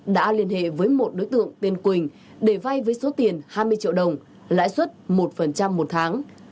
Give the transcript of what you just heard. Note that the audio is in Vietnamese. đã liên hệ với một đối tượng tên quỳnh để vay với số tiền hai mươi triệu đồng lãi suất một một tháng